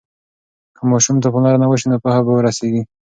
که ماشوم ته پاملرنه وسي نو پوهه به ورسيږي.